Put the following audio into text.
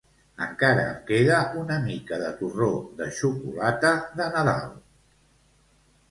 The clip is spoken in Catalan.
Encara em queda una mica de torró de xocolata de Nadal